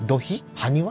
ハニワ？